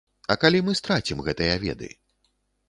А калі мы страцім гэтыя веды?